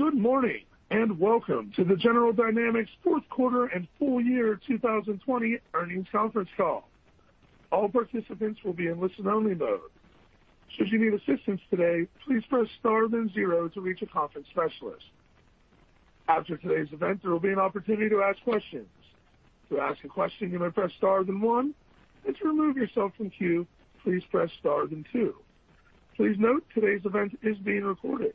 Good morning, and welcome to the General Dynamics fourth quarter and full year 2020 earnings conference call. All participants will be on listen-only mode. If you need assistance today, please press star then zero to reach a conference specialist. After today's events you will be given an opportunity to ask questions. To ask a question, you press star, then one. And to remove yourself from the queue, please press star and two. Please note today's event is being recorded.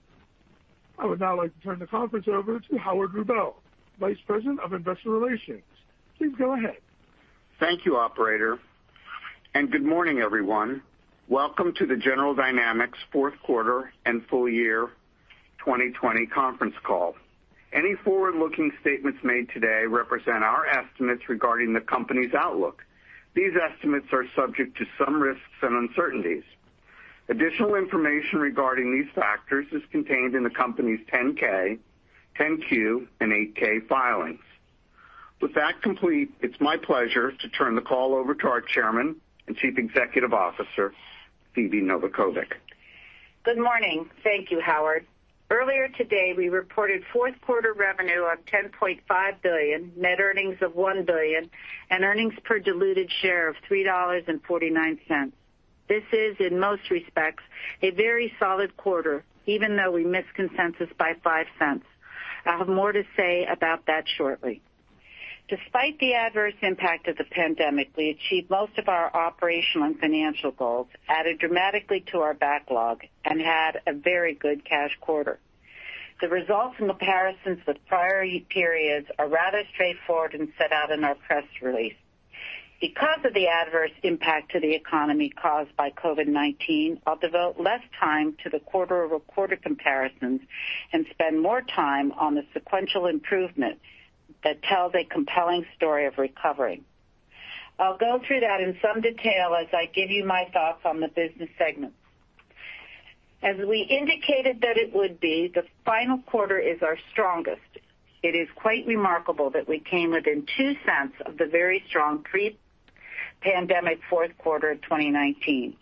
I would now like to turn the conference over to Howard Rubel, Vice President of Investor Relations. Please go ahead. Thank you, operator, and good morning, everyone. Welcome to the General Dynamics fourth quarter and full year 2020 conference call. Any forward-looking statements made today represent our estimates regarding the company's outlook. These estimates are subject to some risks and uncertainties. Additional information regarding these factors is contained in the company's 10-K, 10-Q, and 8-K filings. With that complete, it is my pleasure to turn the call over to our Chairman and Chief Executive Officer, Phebe Novakovic. Good morning. Thank you, Howard. Earlier today, we reported fourth-quarter revenue of $10.5 billion, net earnings of $1 billion, and earnings per diluted share of $3.49. This is, in most respects, a very solid quarter, even though we missed consensus by $0.05. I'll have more to say about that shortly. Despite the adverse impact of the pandemic, we achieved most of our operational and financial goals, added dramatically to our backlog, and had a very good cash quarter. The results and comparisons with prior periods are rather straightforward and set out in our press release. Because of the adverse impact to the economy caused by COVID-19, I'll devote less time to the quarter-over-quarter comparisons and spend more time on the sequential improvements that tell a compelling story of recovery. I'll go through that in some detail as I give you my thoughts on the business segments. As we indicated that it would be, the final quarter is our strongest. It is quite remarkable that we came within $0.02 of the very strong pre-pandemic fourth quarter of 2019.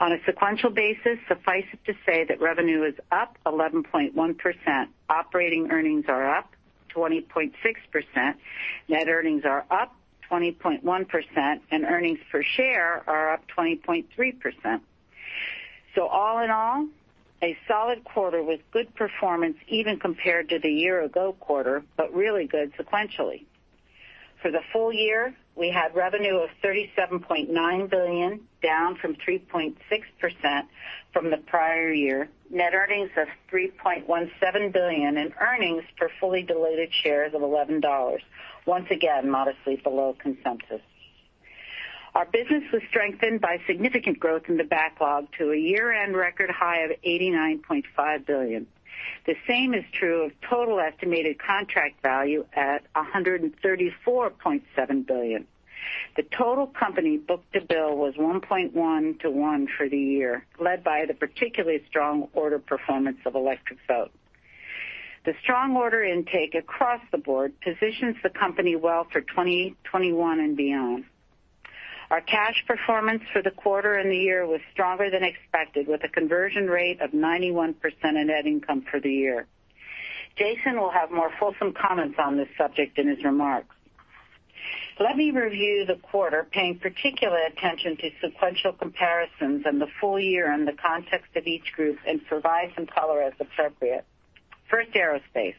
On a sequential basis, suffice it to say that revenue is up 11.1%, operating earnings are up 20.6%, net earnings are up 20.1%, and earnings per share are up 20.3%. All in all, a solid quarter with good performance even compared to the year-ago quarter, but really good sequentially. For the full year, we had revenue of $37.9 billion, down 3.6% from the prior year; net earnings of $3.17 billion; and earnings per fully diluted share of $11, once again, modestly below consensus. Our business was strengthened by significant growth in the backlog to a year-end record high of $89.5 billion. The same is true of total estimated contract value at $134.7 billion. The total company book-to-bill was 1.1:1 for the year, led by the particularly strong order performance of Electric Boat. The strong order intake across the board positions the company well for 2021 and beyond. Our cash performance for the quarter and the year was stronger than expected, with a conversion rate of 91% in net income for the year. Jason will have more fulsome comments on this subject in his remarks. Let me review the quarter, paying particular attention to sequential comparisons and the full year in the context of each group, and provide some color as appropriate. First, Aerospace. Aerospace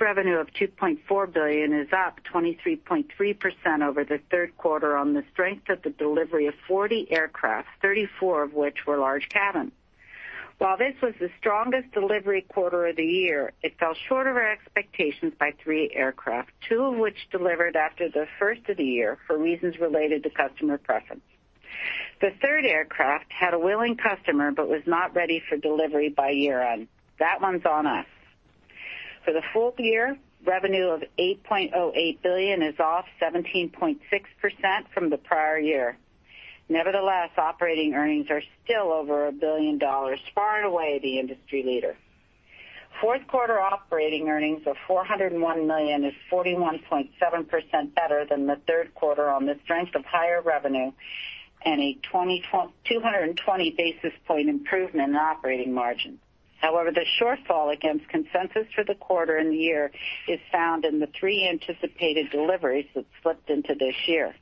revenue of $2.4 billion is up 23.3% over the third quarter on the strength of the delivery of 40 aircraft, 34 of which were large-cabin. While this was the strongest delivery quarter of the year, it fell short of our expectations by three aircraft, two of which delivered after the first of the year for reasons related to customer preference. The third aircraft had a willing customer but was not ready for delivery by year-end. That one's on us. For the full year, revenue of $8.08 billion is off 17.6% from the prior year. Nevertheless, operating earnings are still over a billion dollars, far and away the industry leader. Fourth quarter operating earnings of $401 million are 41.7% better than the third quarter on the strength of higher revenue and a 220-basis point improvement in operating margin. However, the shortfall against consensus for the quarter and the year is found in the three anticipated deliveries that slipped into this year.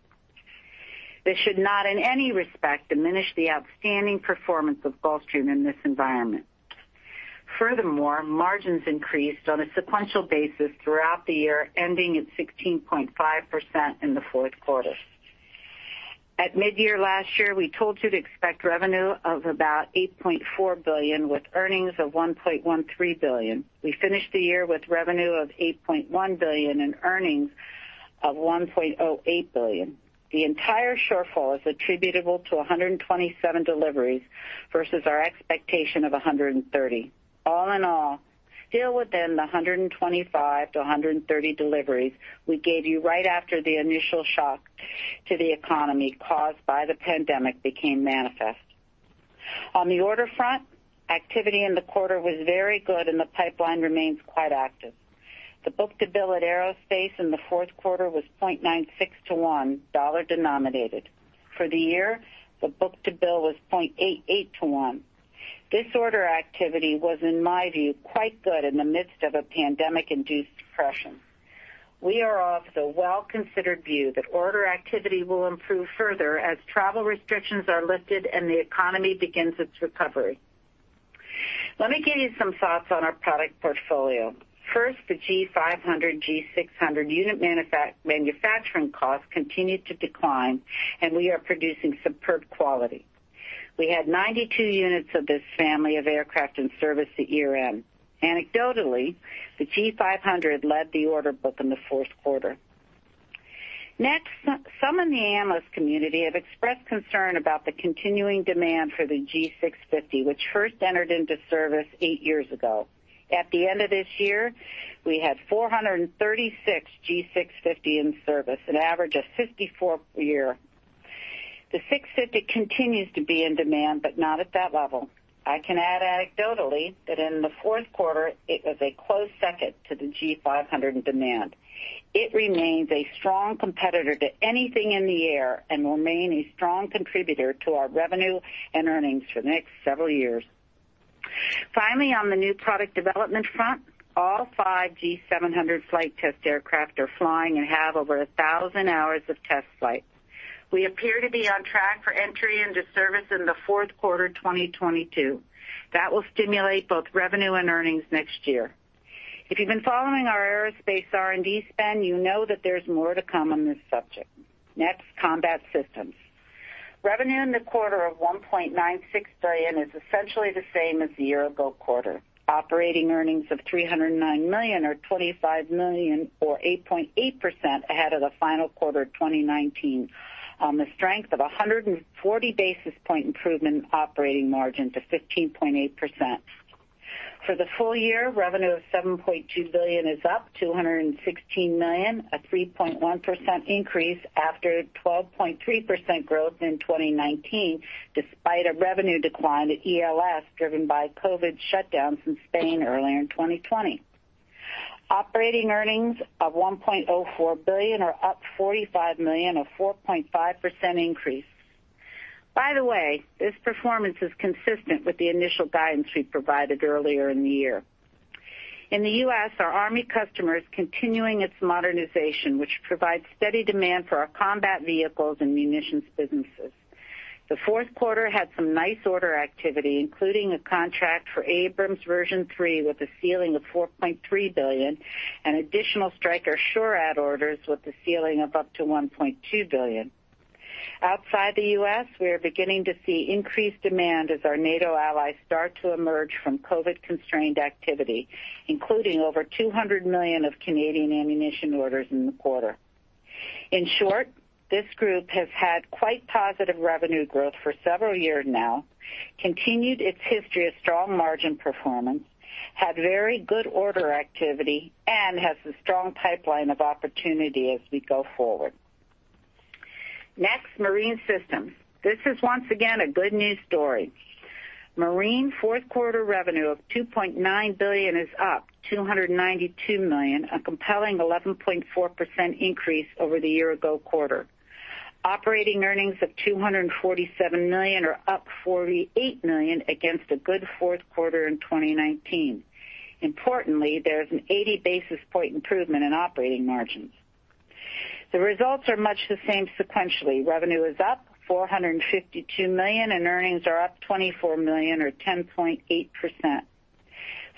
This should not in any respect diminish the outstanding performance of Gulfstream in this environment. Furthermore, margins increased on a sequential basis throughout the year, ending at 16.5% in the fourth quarter. At mid-year last year, we told you to expect revenue of about $8.4 billion with earnings of $1.13 billion. We finished the year with revenue of $8.1 billion and earnings of $1.08 billion. The entire shortfall is attributable to 127 deliveries versus our expectation of 130. All in all, still within the 125-130 deliveries we gave you right after the initial shock to the economy caused by the pandemic became manifest. On the order front, activity in the quarter was very good, and the pipeline remains quite active. The book-to-bill at Aerospace in the fourth quarter was 0.96:1, dollar-denominated. For the year, the book-to-bill was 0.88:1. This order activity was, in my view, quite good in the midst of a pandemic-induced depression. We are of the well-considered view that order activity will improve further as travel restrictions are lifted and the economy begins its recovery. Let me give you some thoughts on our product portfolio. First, the G500, G600 unit manufacturing costs continued to decline, and we are producing superb quality. We had 92 units of this family of aircraft in service at year-end. Anecdotally, the G500 led the order book in the fourth quarter. Next, some in the analyst community have expressed concern about the continuing demand for the G650, which first entered into service eight years ago. At the end of this year, we had 436 G650 in service, an average of 54 per year. The 650 continues to be in demand, but not at that level. I can add, anecdotally, that in the fourth quarter, it was a close second to the G500 in demand. It remains a strong competitor to anything in the air and will remain a strong contributor to our revenue and earnings for the next several years. Finally, on the new product development front, all five G700 flight test aircraft are flying and have over 1,000 hours of test flight. We appear to be on track for entry into service in the fourth quarter of 2022. That will stimulate both revenue and earnings next year. If you've been following our Aerospace R&D spend, you know that there's more to come on this subject. Next, Combat Systems. Revenue in the quarter of $1.96 billion is essentially the same as the year-ago quarter. Operating earnings of $309 million, or $25 million, or 8.8% ahead of the final quarter of 2019, on the strength of a 140 basis point improvement in operating margin to 15.8%. For the full year, revenue of $7.2 billion is up $216 million, a 3.1% increase after 12.3% growth in 2019, despite a revenue decline at ELS driven by COVID shutdowns in Spain early in 2020. Operating earnings of $1.04 billion are up $45 million, or a 4.5% increase. By the way, this performance is consistent with the initial guidance we provided earlier in the year. In the U.S., our U.S. Army customer is continuing its modernization, which provides steady demand for our combat vehicles and munitions businesses. The fourth quarter had some nice order activity, including a contract for Abrams Version 3 with a ceiling of $4.3 billion and additional Stryker SHORAD orders with a ceiling of up to $1.2 billion. Outside the U.S., we are beginning to see increased demand as our NATO allies start to emerge from COVID-constrained activity, including over $200 million of Canadian ammunition orders in the quarter. In short, this group has had quite positive revenue growth for several years now, continued its history of strong margin performance, had very good order activity, and has a strong pipeline of opportunity as we go forward. Next, Marine Systems. This is once again a good news story. Marine fourth quarter revenue of $2.9 billion is up $292 million, a compelling 11.4% increase over the year-ago quarter. Operating earnings of $247 million are up $48 million against a good fourth quarter in 2019. Importantly, there is an 80 basis point improvement in operating margins. The results are much the same sequentially. Revenue is up $452 million, and earnings are up $24 million, or 10.8%.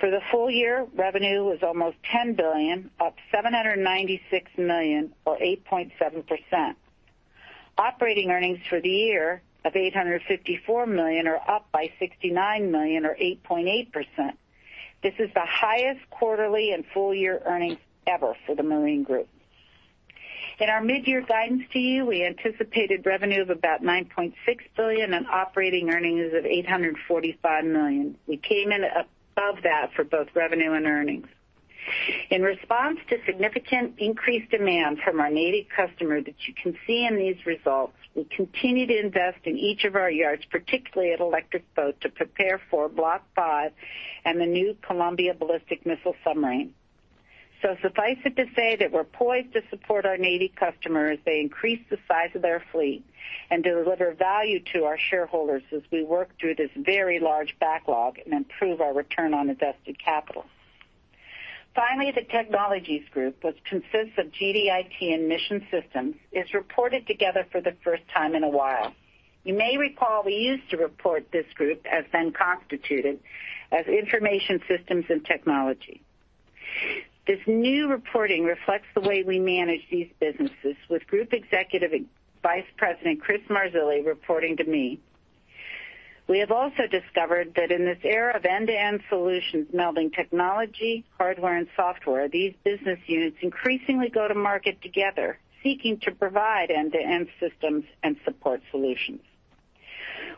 For the full year, revenue was almost $10 billion, up $796 million, or 8.7%. Operating earnings for the year of $854 million are up by $69 million or 8.8%. This is the highest quarterly and full-year earnings ever for the Marine Group. In our mid-year guidance to you, we anticipated revenue of about $9.6 billion and operating earnings of $845 million. We came in above that for both revenue and earnings. In response to significant increased demand from our Navy customer that you can see in these results, we continue to invest in each of our yards, particularly at Electric Boat, to prepare for Block V and the new Columbia Ballistic Missile Submarine. Suffice it to say that we're poised to support our Navy customer as they increase the size of their fleet and deliver value to our shareholders as we work through this very large backlog and improve our return on invested capital. Finally, the Technologies Group, which consists of GDIT and Mission Systems, is reported together for the first time in a while. You may recall we used to report this group as then constituted as Information Systems and Technology. This new reporting reflects the way we manage these businesses with Group Executive Vice President Chris Marzilli reporting to me. We have also discovered that in this era of end-to-end solutions melding technology, hardware, and software, these business units increasingly go to market together, seeking to provide end-to-end systems and support solutions.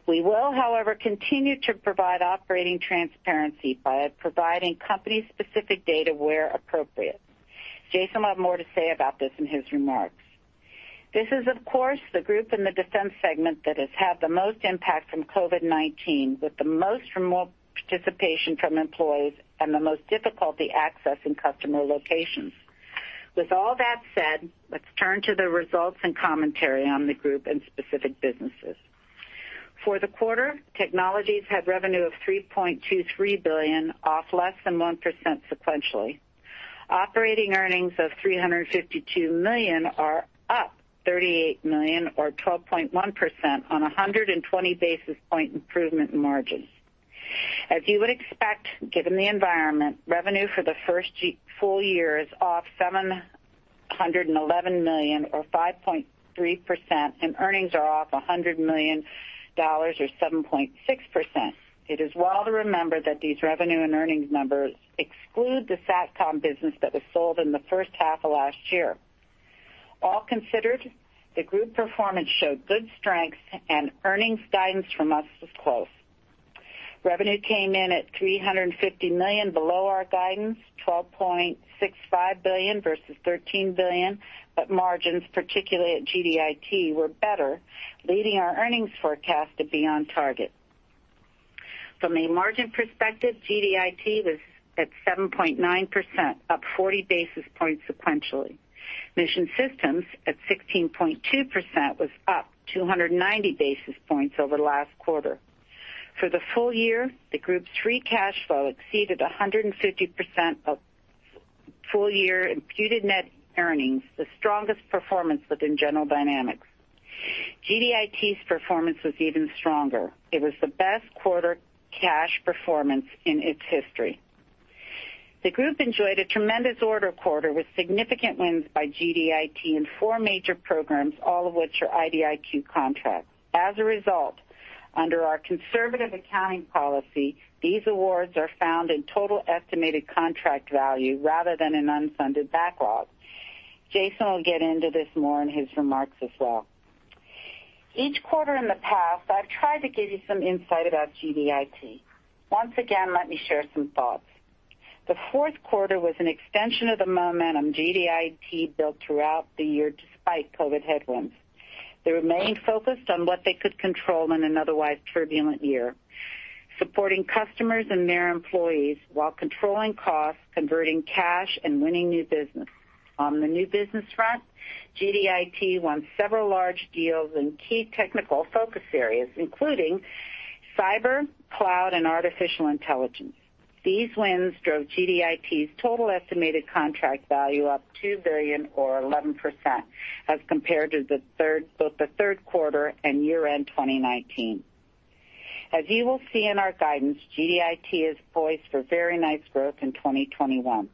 We will, however, continue to provide operating transparency by providing company-specific data where appropriate. Jason will have more to say about this in his remarks. This is, of course, the group in the defense segment that has had the most impact from COVID-19, with the most remote participation from employees and the most difficulty accessing customer locations. With all that said, let's turn to the results and commentary on the group and specific businesses. For the quarter, Technologies had revenue of $3.23 billion, off less than 1% sequentially. Operating earnings of $352 million are up $38 million, or 12.1% on 120 basis point improvement in margins. As you would expect, given the environment, revenue for the first full year is off $711 million or 5.3%, and earnings are off $100 million or 7.6%. It is well to remember that these revenue and earnings numbers exclude the SATCOM business that was sold in the first half of last year. All considered, the group performance showed good strength, and earnings guidance from us was close. Revenue came in at $350 million below our guidance, $12.65 billion versus $13 billion, but margins, particularly at GDIT, were better, leading our earnings forecast to be on target. From a margin perspective, GDIT was at 7.9%, up 40 basis points sequentially. Mission Systems, at 16.2%, was up 290 basis points over last quarter. For the full year, the group's free cash flow exceeded 150% of full-year imputed net earnings, the strongest performance within General Dynamics. GDIT's performance was even stronger. It was the best quarter cash performance in its history. The group enjoyed a tremendous third quarter with significant wins by GDIT in four major programs, all of which are IDIQ contracts. As a result, under our conservative accounting policy, these awards are found in the total estimated contract value rather than in the unfunded backlog. Jason will get into this more in his remarks as well. Each quarter in the past, I've tried to give you some insight about GDIT. Once again, let me share some thoughts. The fourth quarter was an extension of the momentum GDIT built throughout the year, despite COVID headwinds. They remained focused on what they could control in an otherwise turbulent year. Supporting customers and their employees while controlling costs, converting cash, and winning new business. On the new business front, GDIT won several large deals in key technical focus areas, including Cyber, Cloud, and Artificial Intelligence. These wins drove GDIT's total estimated contract value up $2 billion or 11%, as compared to both the third quarter and year-end 2019. As you will see in our guidance, GDIT is poised for very nice growth in 2021.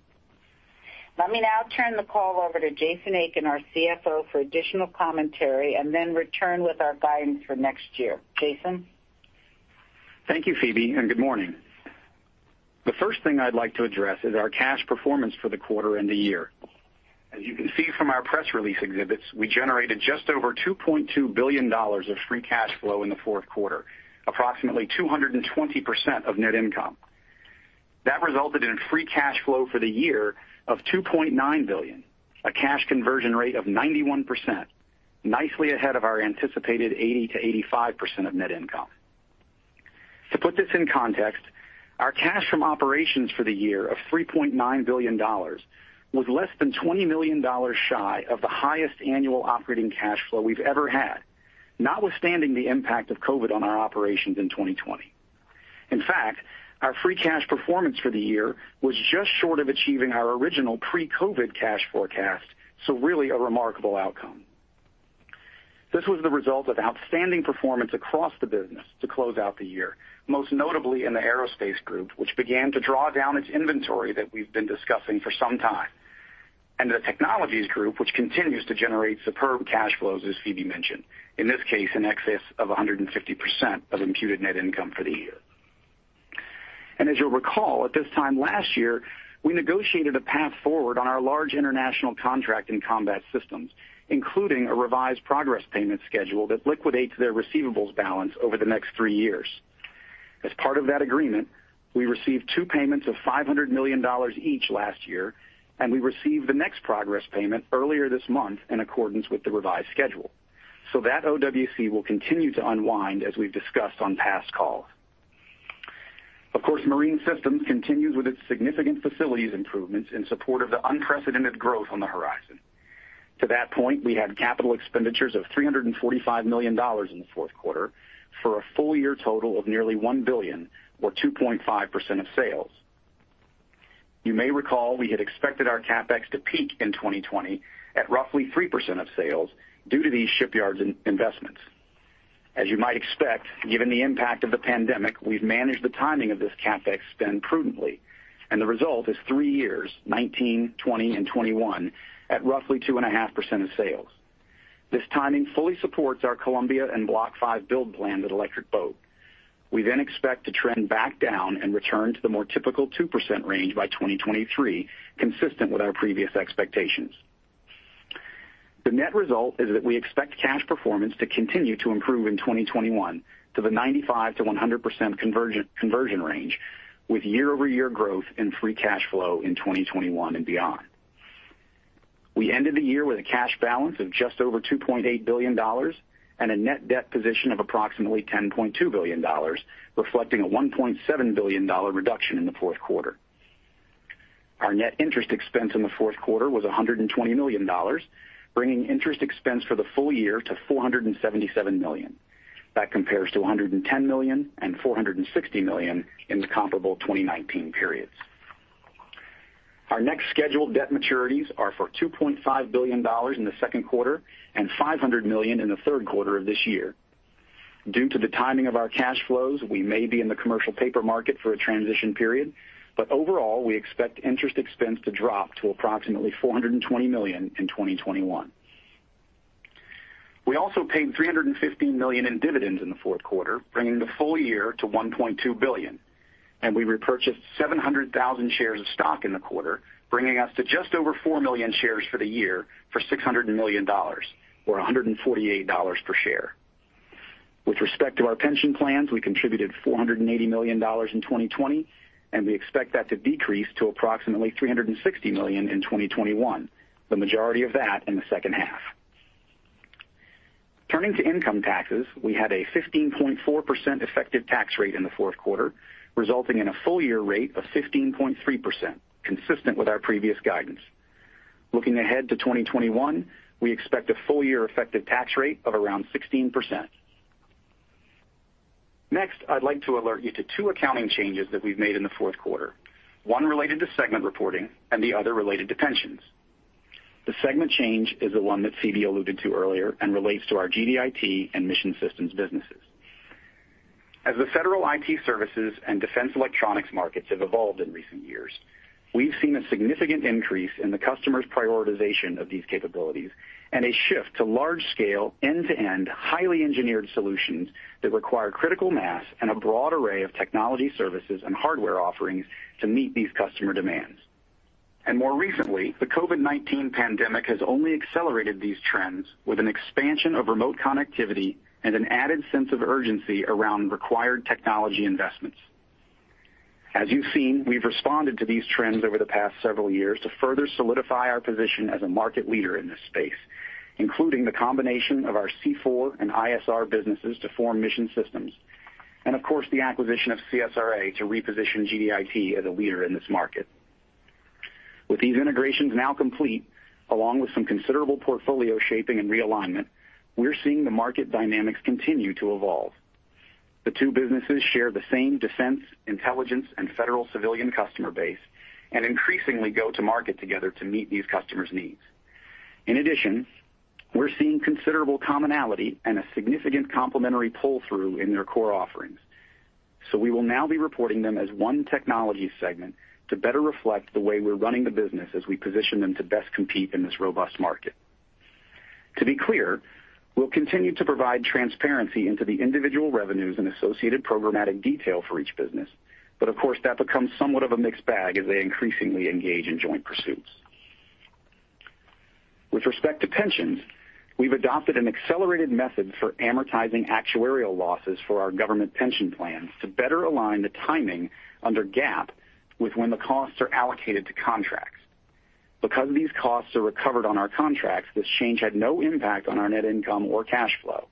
Let me now turn the call over to Jason Aiken, our CFO, for additional commentary, and then return with our guidance for next year. Jason? Thank you, Phebe, and good morning. The first thing I'd like to address is our cash performance for the quarter and the year. As you can see from our press release exhibits, we generated just over $2.2 billion of free cash flow in the fourth quarter, approximately 220% of net income. That resulted in a free cash flow for the year of $2.9 billion, a cash conversion rate of 91%, nicely ahead of our anticipated 80%-85% of net income. To put this in context, our cash from operations for the year of $3.9 billion was less than $20 million shy of the highest annual operating cash flow we've ever had, notwithstanding the impact of COVID-19 on our operations in 2020. In fact, our free cash performance for the year was just short of achieving our original pre-COVID-19 cash forecast. Really a remarkable outcome. This was the result of outstanding performance across the business to close out the year, most notably in the Aerospace Group, which began to draw down its inventory that we've been discussing for some time, and the Technologies Group, which continues to generate superb cash flows, as Phebe mentioned, in this case, in excess of 150% of imputed net income for the year. As you'll recall, at this time last year, we negotiated a path forward on our large international contract in Combat Systems, including a revised progress payment schedule that liquidates their receivables balance over the next three years. As part of that agreement, we received two payments of $500 million each last year, and we received the next progress payment earlier this month in accordance with the revised schedule. That OWC will continue to unwind as we've discussed on past calls. Of course, Marine Systems continues with its significant facilities improvements in support of the unprecedented growth on the horizon. To that point, we had capital expenditures of $345 million in the fourth quarter for a full-year total of nearly $1 billion or 2.5% of sales. You may recall we had expected our CapEx to peak in 2020 at roughly 3% of sales due to these shipyards' investments. As you might expect, given the impact of the pandemic, we've managed the timing of this CapEx spend prudently, and the result is three years, 2019, 2020, and 2021, at roughly 2.5% of sales. This timing fully supports our Columbia and Block V Build Plan at Electric Boat. We expect to trend back down and return to the more typical 2% range by 2023, consistent with our previous expectations. The net result is that we expect cash performance to continue to improve in 2021 to the 95%-100% conversion range with year-over-year growth in free cash flow in 2021 and beyond. We ended the year with a cash balance of just over $2.8 billion and a net debt position of approximately $10.2 billion, reflecting a $1.7 billion reduction in the fourth quarter. Our net interest expense in the fourth quarter was $120 million, bringing interest expense for the full year to $477 million. That compares to $110 million and $460 million in the comparable 2019 periods. Our next scheduled debt maturities are for $2.5 billion in the second quarter and $500 million in the third quarter of this year. Due to the timing of our cash flows, we may be in the commercial paper market for a transition period, but overall, we expect interest expense to drop to approximately $420 million in 2021. We also paid $315 million in dividends in the fourth quarter, bringing the full year to $1.2 billion, and we repurchased 700,000 shares of stock in the quarter, bringing us to just over 4 million shares for the year for $600 million or $148 per share. With respect to our pension plans, we contributed $480 million in 2020, and we expect that to decrease to approximately $360 million in 2021, the majority of that in the second half. Turning to income taxes, we had a 15.4% effective tax rate in the fourth quarter, resulting in a full-year rate of 15.3%, consistent with our previous guidance. Looking ahead to 2021, we expect a full-year effective tax rate of around 16%. Next, I'd like to alert you to two accounting changes that we've made in the fourth quarter, one related to segment reporting and the other related to pensions. The segment change is the one that Phebe alluded to earlier and relates to our GDIT and Mission Systems businesses. As the federal IT services and defense electronics markets have evolved in recent years, we've seen a significant increase in the customers' prioritization of these capabilities and a shift to large-scale, end-to-end, highly engineered solutions that require critical mass and a broad array of technology services and hardware offerings to meet these customer demands. More recently, the COVID-19 pandemic has only accelerated these trends with an expansion of remote connectivity and an added sense of urgency around required technology investments. You've seen, we've responded to these trends over the past several years to further solidify our position as a market leader in this space, including the combination of our C4ISR businesses to form Mission Systems. Of course, the acquisition of CSRA to reposition GDIT as a leader in this market. With these integrations now complete, along with some considerable portfolio shaping and realignment, we're seeing the market dynamics continue to evolve. The two businesses share the same defense, intelligence, and federal civilian customer base and increasingly go to market together to meet these customers' needs. In addition, we're seeing considerable commonality and a significant complementary pull-through in their core offerings. We will now be reporting them as one technology segment to better reflect the way we're running the business as we position them to best compete in this robust market. To be clear, we'll continue to provide transparency into the individual revenues and associated programmatic detail for each business. Of course, that becomes somewhat of a mixed bag as they increasingly engage in joint pursuits. With respect to pensions, we've adopted an accelerated method for amortizing actuarial losses for our government pension plans to better align the timing under GAAP with when the costs are allocated to contracts. Because these costs are recovered on our contracts, this change had no impact on our net income or cash flow.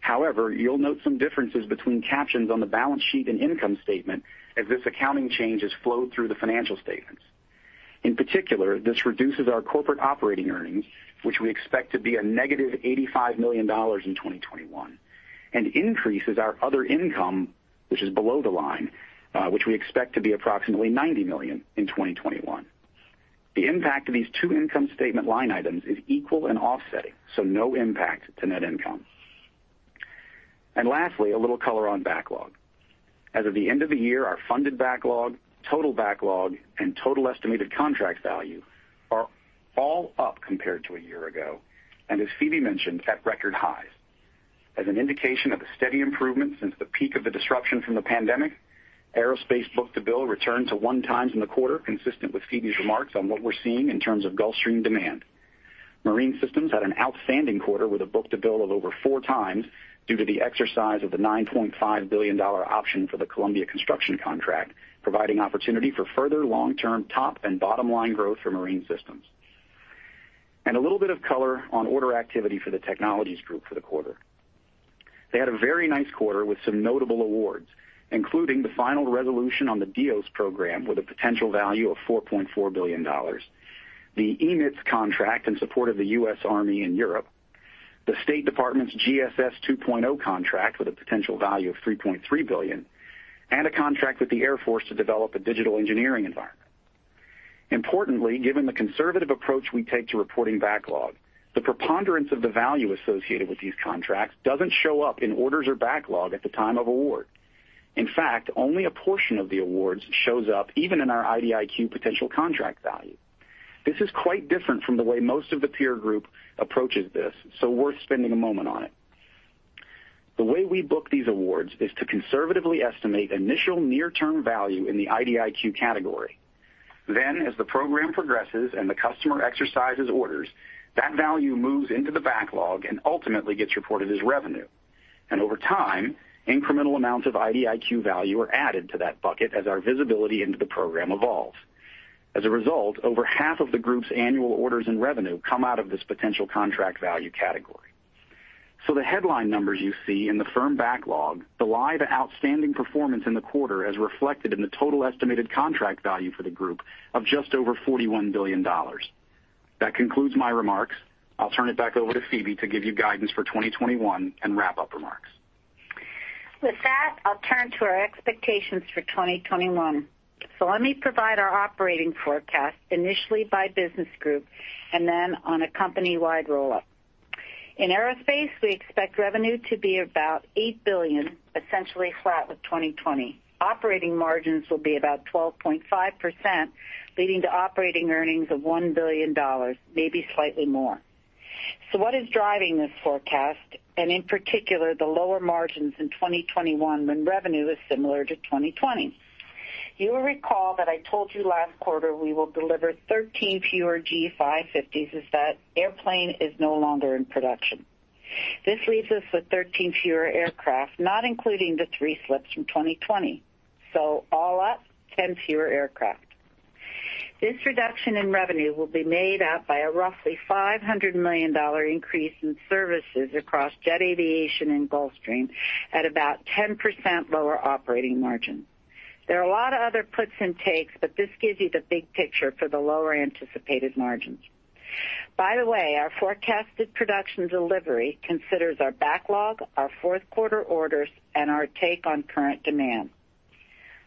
However, you'll note some differences between captions on the balance sheet and income statement as this accounting change has flowed through the financial statements. In particular, this reduces our corporate operating earnings, which we expect to be -$85 million in 2021, and increases our other income, which is below the line, which we expect to be approximately $90 million in 2021. No impact of these two income statement line items is equal and offsetting, so there is no impact to net income. Lastly, a little color on the backlog. As of the end of the year, our funded backlog, total backlog, and total estimated contract value are all up compared to a year ago and, as Phebe mentioned, at record highs. As an indication of the steady improvement since the peak of the disruption from the pandemic, Aerospace book-to-bill returned to 1x in the quarter, consistent with Phebe's remarks on what we're seeing in terms of Gulfstream demand. Marine Systems had an outstanding quarter with a book-to-bill of over 4x due to the exercise of the $9.5 billion option for the Columbia construction contract, providing an opportunity for further long-term top- and bottom-line growth for Marine Systems. A little bit of color on order activity for the Technologies Group for the quarter. They had a very nice quarter with some notable awards, including the final resolution on the DEOS program with a potential value of $4.4 billion, the EMITS contract in support of the U.S. Army in Europe, the State Department's GSS 2.0 contract with a potential value of $3.3 billion, and a contract with the Air Force to develop a digital engineering environment. Importantly, given the conservative approach we take to reporting backlog, the preponderance of the value associated with these contracts doesn't show up in orders or backlog at the time of award. In fact, only a portion of the awards shows up even in our IDIQ potential contract value. This is quite different from the way most of the peer group approaches this, worth spending a moment on it. The way we book these awards is to conservatively estimate initial near-term value in the IDIQ category. As the program progresses and the customer exercises orders, that value moves into the backlog and ultimately gets reported as revenue. Over time, incremental amounts of IDIQ value are added to that bucket as our visibility into the program evolves. As a result, over half of the group's annual orders and revenue come out of this potential contract value category. The headline numbers you see in the firm backlog belie the outstanding performance in the quarter as reflected in the total estimated contract value for the group of just over $41 billion. That concludes my remarks. I'll turn it back over to Phebe to give you guidance for 2021 and wrap-up remarks. With that, I'll turn to our expectations for 2021. Let me provide our operating forecast initially by business group and then on a company-wide roll-up. In Aerospace, we expect revenue to be about $8 billion, essentially flat with 2020. Operating margins will be about 12.5%, leading to operating earnings of $1 billion, maybe slightly more. What is driving this forecast and, in particular, the lower margins in 2021 when revenue is similar to 2020? You will recall that I told you last quarter we would deliver 13 fewer G550s, as that airplane is no longer in production. This leaves us with 13 fewer aircraft, not including the three slips from 2020. All up, 10 fewer aircraft. This reduction in revenue will be made up by a roughly $500 million increase in services across Jet Aviation and Gulfstream at about a 10% lower operating margin. There are a lot of other puts and takes, but this gives you the big picture for the lower anticipated margins. By the way, our forecasted production delivery considers our backlog, our fourth quarter orders, and our take on current demand.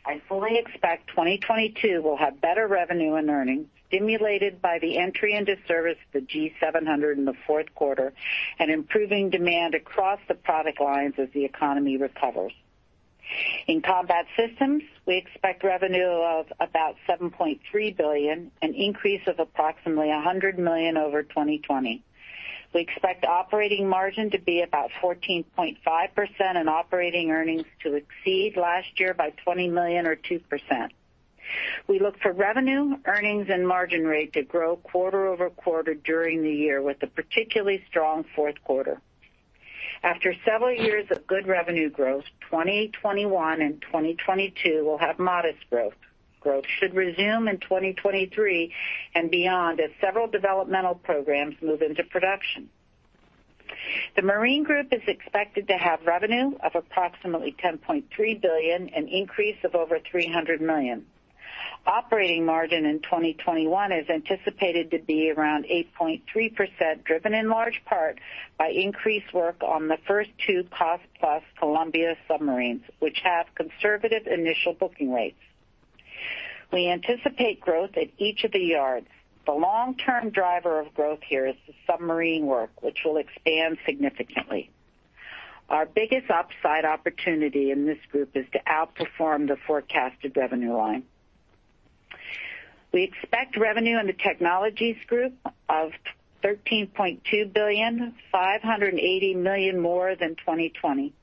I fully expect 2022 will have better revenue and earnings, stimulated by the entry into service of the G700 in the fourth quarter and improving demand across the product lines as the economy recovers. In Combat Systems, we expect revenue of about $7.3 billion, an increase of approximately $100 million over 2020. We expect operating margin to be about 14.5% and operating earnings to exceed last year by $20 million or 2%. We look for revenue, earnings, and margin rate to grow quarter-over-quarter during the year with a particularly strong fourth quarter. After several years of good revenue growth, 2021 and 2022 will have modest growth. Growth should resume in 2023 and beyond as several developmental programs move into production. The Marine Group is expected to have revenue of approximately $10.3 billion, an increase of over $300 million. Operating margin in 2021 is anticipated to be around 8.3%, driven in large part by increased work on the first two cost-plus Columbia submarines, which have conservative initial booking rates. We anticipate growth at each of the yards. The long-term driver of growth here is the submarine work, which will expand significantly. Our biggest upside opportunity in this group is to outperform the forecasted revenue line. We expect revenue in the Technologies Group of $13.2 billion, $580 million more than in 2020.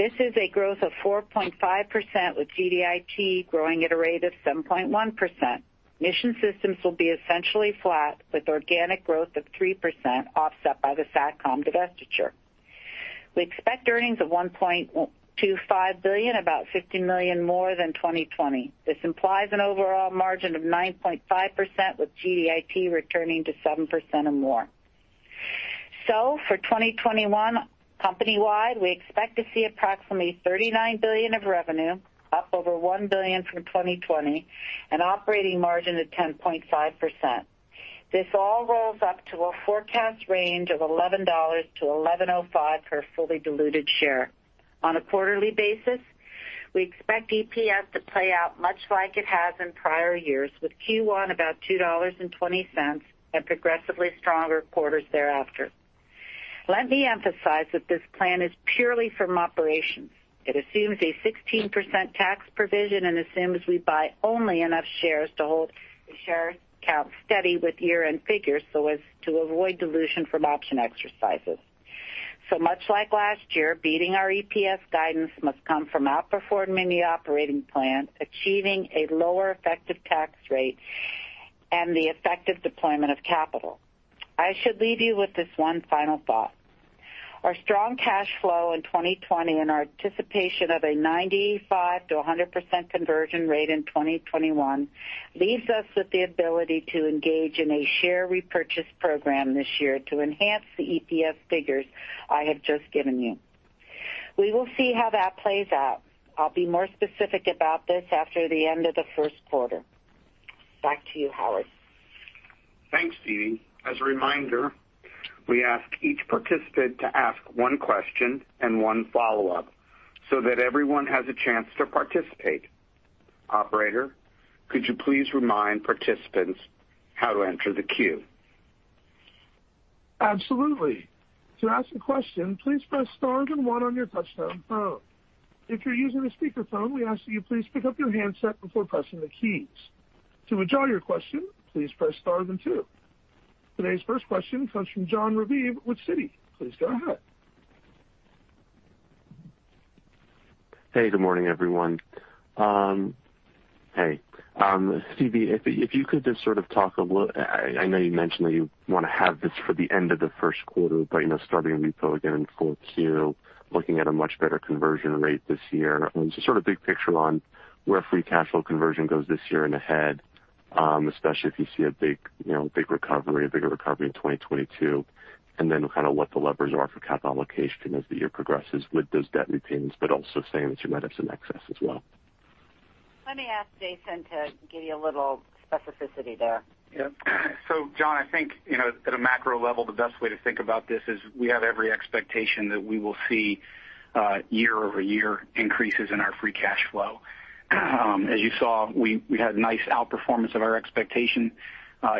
This is a growth of 4.5%, with GDIT growing at a rate of 7.1%. Mission Systems will be essentially flat with organic growth of 3% offset by the SATCOM divestiture. We expect earnings of $1.25 billion, about $50 million more than 2020. This implies an overall margin of 9.5% with GDIT returning to 7% or more. For 2021 company-wide, we expect to see approximately $39 billion of revenue, up over $1 billion from 2020, and an operating margin of 10.5%. This all rolls up to a forecast range of $11-$11.05 per fully diluted share. On a quarterly basis, we expect EPS to play out much like it has in prior years, with Q1 at about $2.20 and progressively stronger quarters thereafter. Let me emphasize that this plan is purely from operations. It assumes a 16% tax provision and assumes we buy only enough shares to hold the share count steady with year-end figures so as to avoid dilution from option exercises. Much like last year, beating our EPS guidance must come from outperforming the operating plan, achieving a lower effective tax rate, and effectively deploying capital. I should leave you with this one final thought. Our strong cash flow in 2020 and our anticipation of a 95%-100% conversion rate in 2021 leaves us with the ability to engage in a share repurchase program this year to enhance the EPS figures I have just given you. We will see how that plays out. I'll be more specific about this after the end of the first quarter. Back to you, Howard. Thanks, Phebe. As a reminder, we ask each participant to ask one question and one follow-up so that everyone has a chance to participate. Operator, could you please remind participants how to enter the queue? Absolutely. Today's first question comes from Jon Raviv with Citi. Please go ahead. Hey, good morning, everyone. Hey. Phebe, if you could just sort of talk a little, I know you mentioned that you want to have this for the end of the first quarter, but starting a repo again in Q4, looking at a much better conversion rate this year. Sort of a big picture on where free cash flow conversion goes this year and ahead, especially if you see a bigger recovery in 2022, and then kind of what the levers are for capital allocation as the year progresses with those debt repayments, but also saying that you might have some excess as well. Let me ask Jason to give you a little specificity there. Yep. Jon, I think, at a macro level, the best way to think about this is that we have every expectation that we will see year-over-year increases in our free cash flow. As you saw, we had nice outperformance of our expectations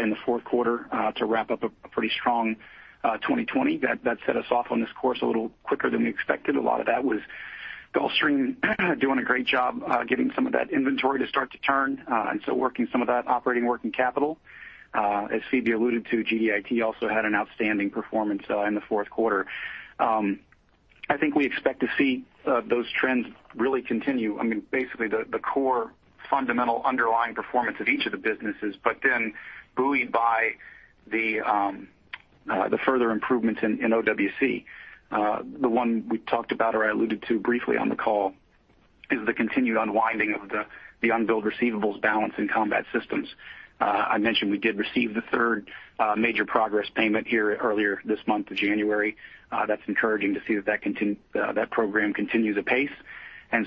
in the fourth quarter to wrap up a pretty strong 2020. That set us off on this course a little quicker than we expected. A lot of that was Gulfstream doing a great job getting some of that inventory to start to turn, working some of that operating working capital. As Phebe alluded to, GDIT also had an outstanding performance in the fourth quarter. I think we expect to see those trends really continue. Basically, the core fundamental underlying performance of each of the businesses, buoyed by the further improvements in OWC. The one we talked about, or I alluded to briefly on the call, is the continued unwinding of the unbilled receivables balance in Combat Systems. I mentioned we did receive the third major progress payment here earlier this month of January. That's encouraging to see that program continue the pace.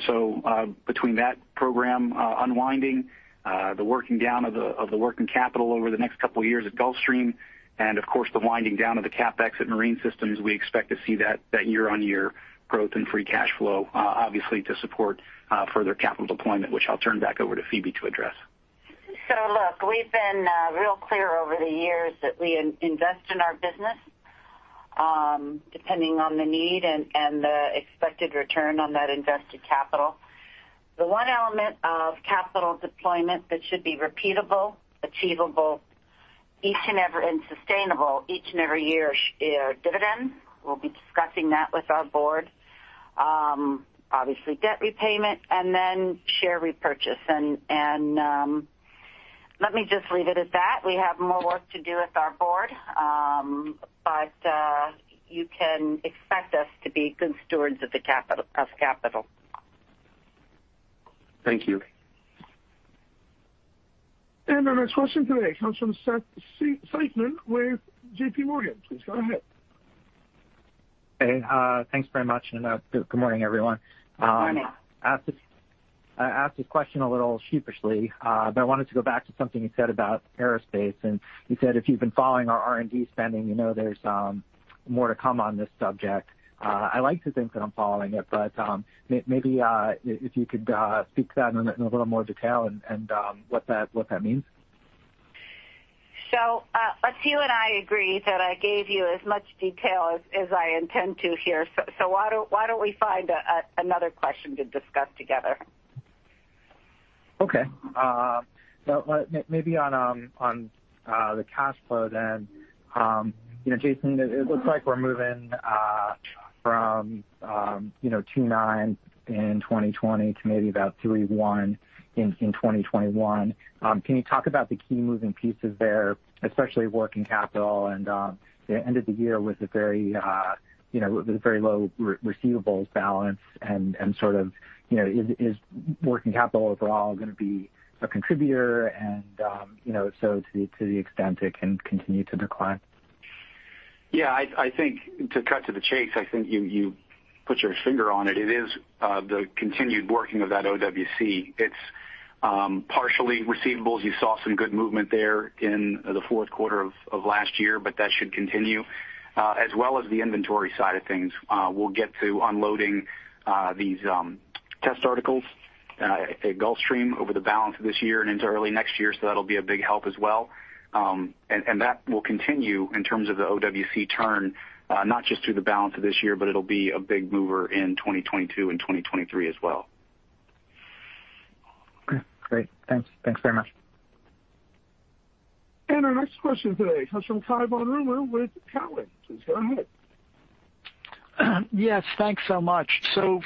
So between that program unwinding, the working down of the working capital over the next couple of years at Gulfstream, and, of course, the winding down of the CapEx at Marine Systems, we expect to see that year-on-year growth and free cash flow, obviously to support further capital deployment, which I'll turn back over to Phebe to address. Look, we've been real clear over the years that we invest in our business, depending on the need and the expected return on that invested capital. The one element of capital deployment that should be repeatable, achievable, and sustainable each and every year are dividends. We'll be discussing that with our board. Obviously, debt repayment and then share repurchase. Let me just leave it at that. We have more work to do with our board; you can expect us to be good stewards of capital. Thank you. Our next question today comes from Seth Seifman with JPMorgan. Please go ahead. Hey, thanks very much, and good morning, everyone. Good morning. I ask the question a little sheepishly, but I wanted to go back to something you said about Aerospace, and you said if you've been following our R&D spending, you know there's more to come on this subject. I like to think that I'm following it, but maybe you could speak to that in a little more detail and what that means. Let's you and I agree that I gave you as much detail as I intended to here. Why don't we find another question to discuss together? Okay. Well, maybe on the cash flow. Jason, it looks like we're moving from $2.9 in 2020 to maybe about $3.1 in 2021. Can you talk about the key moving pieces there, especially working capital and the end of the year with a very low receivables balance, and sort of, is working capital overall going to be a contributor, and if so, to the extent it can continue to decline? To cut to the chase, I think you put your finger on it. It is the continued working of that OWC. It is partially receivables. You saw some good movement there in the fourth quarter of last year, but that should continue, as well as the inventory side of things. We will get to unloading these test articles at Gulfstream over the balance of this year and into early next year, so that will be a big help as well. That will continue in terms of the OWC turn, not just through the balance of this year, but it will be a big mover in 2022 and 2023 as well. Okay, great. Thanks. Thanks very much. Our next question today comes from Cai von Rumohr with Cowen. Please go ahead. Yes, thanks so much.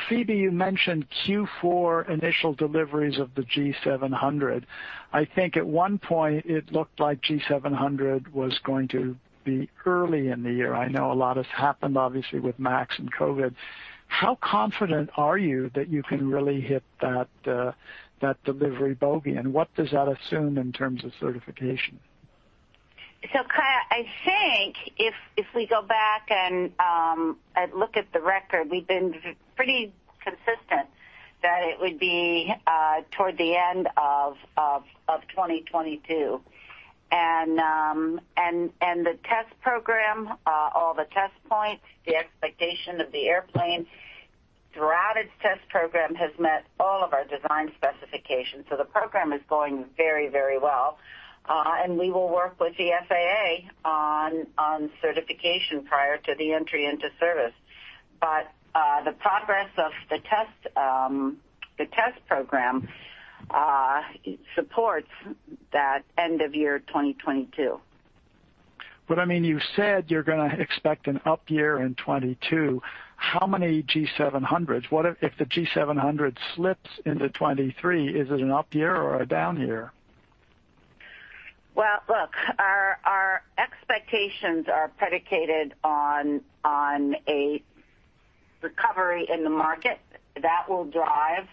Phebe, you mentioned Q4 initial deliveries of the G700. I think at one point it looked like G700 was going to be early in the year. I know a lot has happened, obviously, with MAX and COVID. How confident are you that you can really hit that delivery bogey, and what does that assume in terms of certification? Cai, I think if we go back and look at the record, we've been pretty consistent that it would be toward the end of 2022. The test program, all the test points, and the expectation of the airplane throughout its test program have met all of our design specifications. The program is going very, very well. We will work with the FAA on certification prior to the entry into service. The progress of the test program supports that at the end of year 2022. You said you're going to expect an up year in 2022. How many G700s? What if the G700 slips into 2023? Is it an up year or a down year? Well, look, our expectations are predicated on a recovery in the market that will drive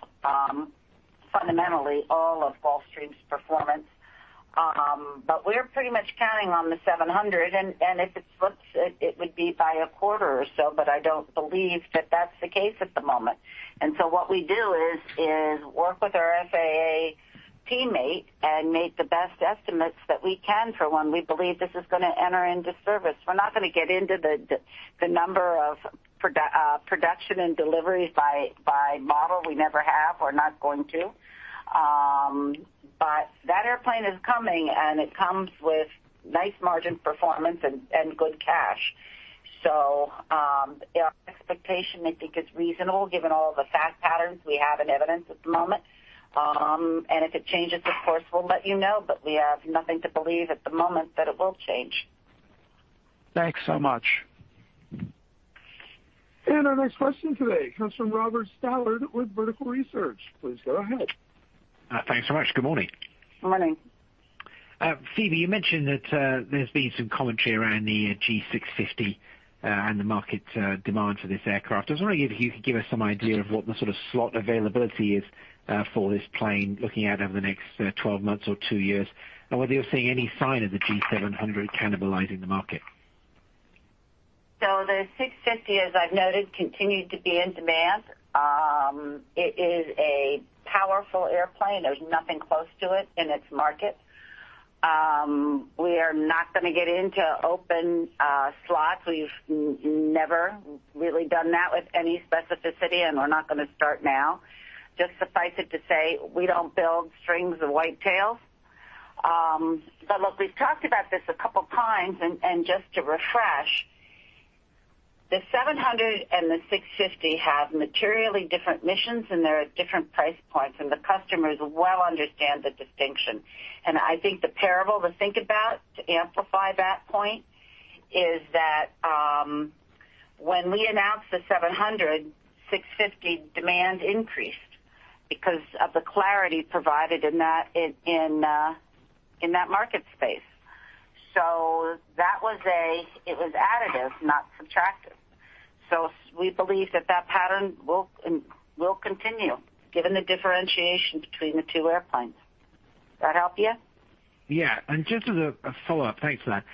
fundamentally all of Wall Street's performance. We're pretty much counting on the G700, and if it slips, it would be by a quarter or so, but I don't believe that that's the case at the moment. What we do is work with our FAA teammate and make the best estimates that we can for when we believe this is going to enter into service. We're not going to get into the number of production and deliveries by model. We never have. We're not going to. That airplane is coming, and it comes with nice margin performance and good cash. Our expectation, I think, is reasonable given all the fact patterns we have in evidence at the moment. If it changes, of course, we'll let you know, but we have nothing to believe at the moment that it will change. Thanks so much. Our next question today comes from Robert Stallard with Vertical Research. Please go ahead. Thanks so much. Good morning. Good morning. Phebe, you mentioned that there's been some commentary around the G650 and the market demand for this aircraft. I was wondering if you could give us some idea of what the sort of slot availability is for this plane, looking out over the next 12 months or two years, and whether you're seeing any sign of the G700 cannibalizing the market. The G650, as I've noted, continued to be in demand. It is a powerful airplane. There's nothing close to it in its market. We are not going to get into open slots. We've never really done that with any specificity, and we're not going to start now. Just suffice it to say we don't build strings of white tails. Look, we've talked about this a couple of times, and just to refresh, the G700 and the G650 have materially different missions, and they're at different price points, and the customers well understand the distinction. I think the parable to think about to amplify that point is that when we announced the G700, G650 demand increased because of the clarity provided in that market space. It was additive, not subtractive. We believe that that pattern will continue given the differentiation between the two airplanes. That help you? Yeah. Just as a follow-up, thanks for that.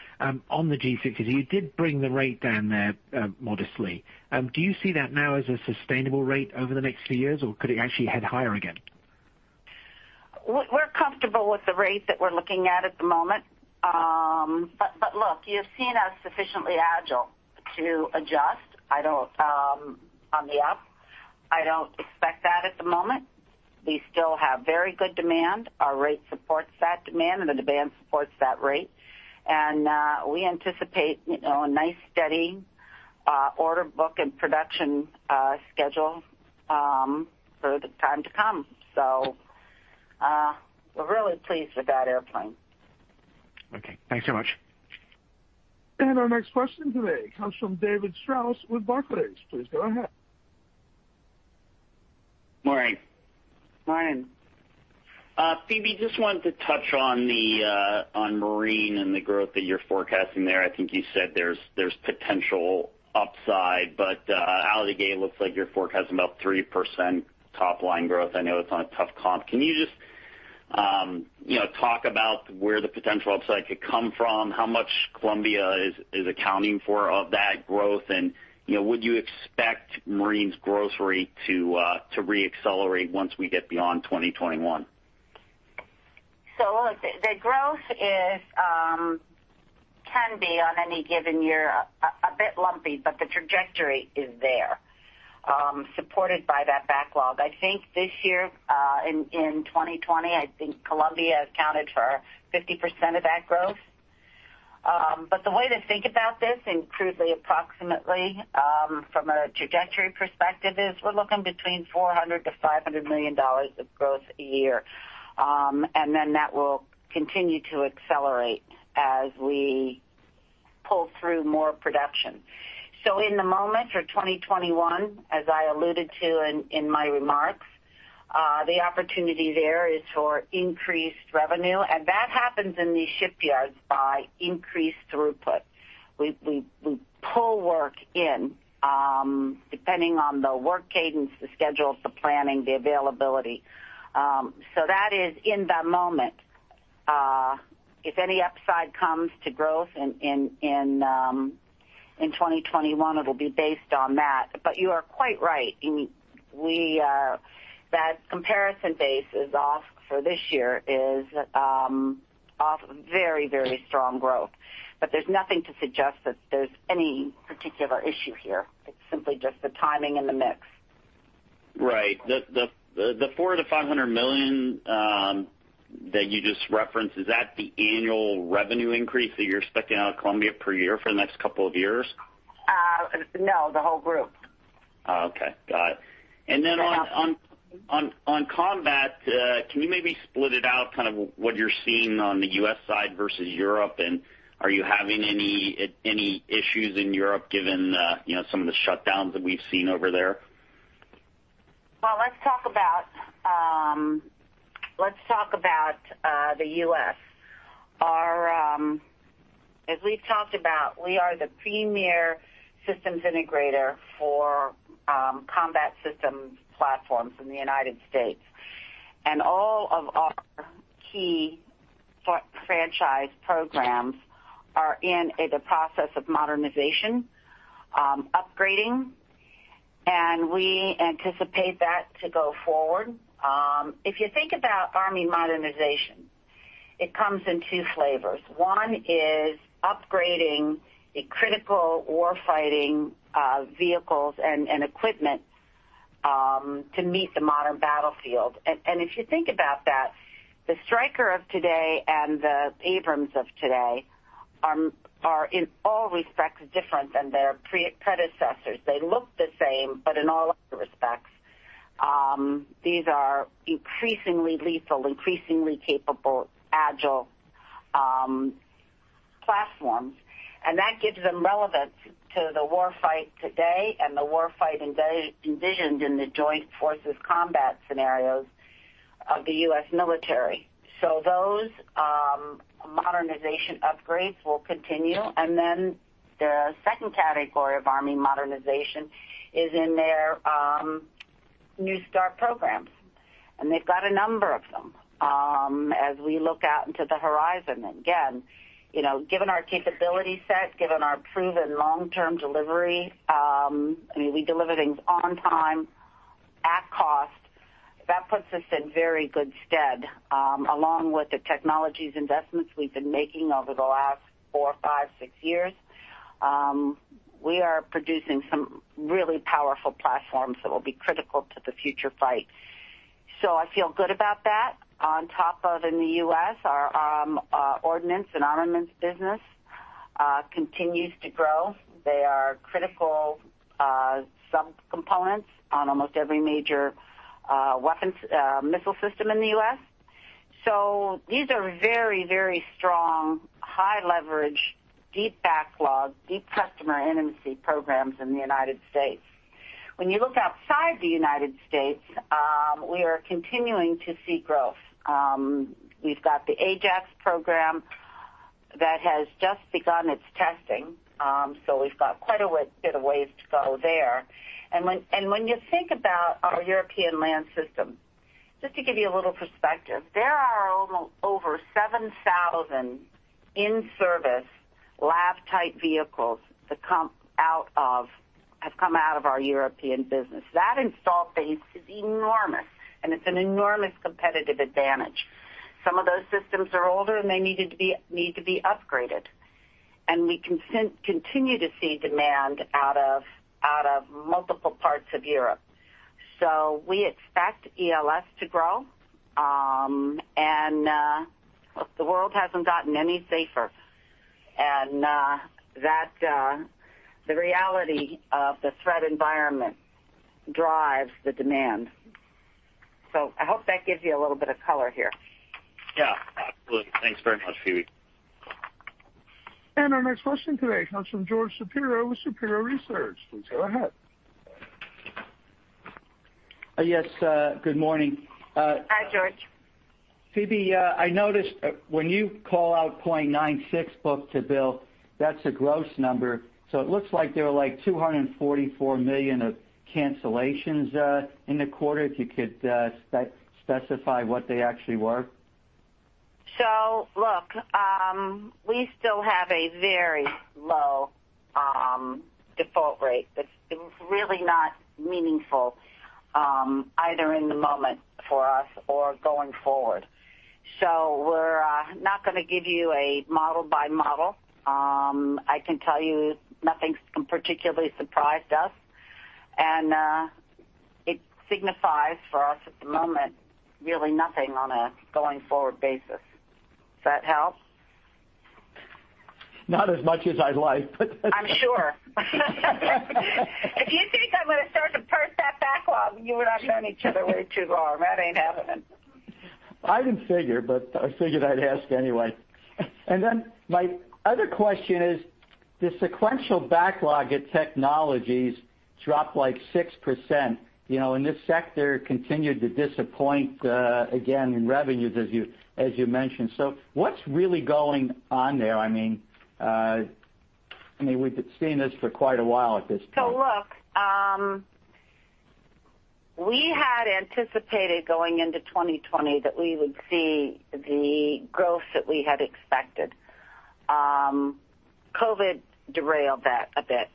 On the G600, you did bring the rate down there modestly. Do you see that now as a sustainable rate over the next few years, or could it actually head higher again? We're comfortable with the rate that we're looking at at the moment. Look, you've seen us sufficiently agile to adjust on the up. I don't expect that at the moment. We still have very good demand. Our rate supports that demand; the demand supports that rate. We anticipate a nice, steady order book and production schedule for the time to come. We're really pleased with that airplane. Okay. Thanks so much. Our next question today comes from David Strauss with Barclays. Please go ahead. Morning. Morning. Phebe, just wanted to touch on Marine and the growth that you're forecasting there. I think you said there's potential upside, but out of the gate, it looks like your forecast is about 3% top-line growth. I know it's on a tough comp. Can you just talk about where the potential upside could come from, how much Columbia is accounting for of that growth, and would you expect Marine's growth rate to re-accelerate once we get beyond 2021? Look, the growth can be, on any given year, a bit lumpy, but the trajectory is there, supported by that backlog. I think this year, in 2020, Columbia accounted for 50% of that growth. The way to think about this, and crudely approximately, from a trajectory perspective, is we're looking at $400 million-$500 million of growth a year. That will continue to accelerate as we pull through more production. In the moment for 2021, as I alluded to in my remarks, the opportunity there is for increased revenue, and that happens in these shipyards by increasing throughput. We pull work in, depending on the work cadence, the schedules, the planning, and the availability. That is in the moment. If any upside comes to growth in 2021, it'll be based on that. You are quite right. That comparison base for this year is off very, very strong growth. There's nothing to suggest that there's any particular issue here. It's simply just the timing and the mix Right. The $400 million-$500 million that you just referenced, is that the annual revenue increase that you're expecting out of Columbia per year for the next couple of years? No, the whole group. Okay, got it. On combat, can you maybe split it out, kind of what you're seeing on the U.S. side versus Europe? Are you having any issues in Europe given some of the shutdowns that we've seen over there? Well, let's talk about the U.S. As we've talked about, we are the premier systems integrator for Combat Systems Platforms in the U.S. All of our key franchise programs are in the process of modernization, upgrading, and we anticipate that to go forward. If you think about U.S. Army modernization comes in two flavors. One is upgrading the critical war-fighting vehicles and equipment to meet the modern battlefield. If you think about that, the Stryker of today and the Abrams of today are, in all respects, different than their predecessors. They look the same. In all other respects, these are increasingly lethal, increasingly capable, agile platforms. That gives them relevance to the war fight today and the war fight envisioned in the joint forces combat scenarios of the U.S. military. Those modernization upgrades will continue. The second category of Army modernization is in their new start programs, and they've got a number of them. As we look out into the horizon again, given our capability set and given our proven long-term delivery, we deliver things on time and at cost. That puts us in very good stead, along with the technology investments we've been making over the last four, five, or six years. We are producing some really powerful platforms that will be critical to the future fight. I feel good about that. On top of that, in the U.S., our ordnance and armaments business continues to grow. They are critical sub-components of almost every major weapon and Missile System in the U.S. These are very strong, high-leverage, deep-backlog, deep-customer-intimacy programs in the United States. When you look outside the United States, we are continuing to see growth. We've got the Ajax Program that has just begun its testing, so we've got quite a bit of ways to go there. When you think about our European Land Systems, just to give you a little perspective, there are over 7,000 in-service LAV-type vehicles that have come out of our European business. That install base is enormous, and it's an enormous competitive advantage. Some of those systems are older, and they need to be upgraded. We continue to see demand out of multiple parts of Europe. We expect ELS to grow. Look, the world hasn't gotten any safer, and the reality of the threat environment drives the demand. I hope that gives you a little bit of color here. Yeah, absolutely. Thanks very much, Phebe. Our next question today comes from George Shapiro with Shapiro Research. Please go ahead. Yes, good morning. Hi, George. Phebe, I noticed when you call out a 0.96:1 book-to-bill, that's a gross number. It looks like there were like $244 million of cancellations in the quarter. Could you specify what they actually were? Look, we still have a very low default rate that's really not meaningful, either in the moment for us or going forward. We're not going to give you a model by model. I can tell you nothing's particularly surprised us, and it signifies for us, at the moment, really nothing on a going-forward basis. Does that help? Not as much as I'd like. I'm sure. If you think I'm going to start to parse that backlog, you and I have known each other way too long. That ain't happening. I would figure, but I figured I'd ask anyway. My other question is, the sequential backlog at Technologies dropped like 6%, and this sector continued to disappoint, again, in revenues, as you mentioned. What's really going on there? We've seen this for quite a while at this point. Look, we had anticipated going into 2020 that we would see the growth that we had expected. COVID derailed that a bit.